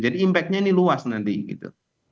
jadi impactnya ini luas nanti gitu